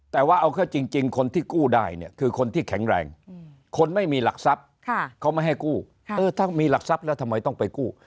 แต่ว่าเอาเข้าจริงคนที่กู้ได้เนี่ยคือคนที่แข็งแรงคนไม่มีหลักทรัพย์เขาไม่ให้กู้ถ้ามีหลักทรัพย์แล้วทำไมต้องไปกู้